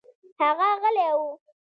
هغه غلى و.